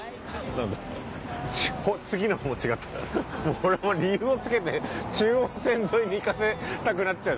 俺もう理由をつけて中央線沿いに行かせたくなっちゃう。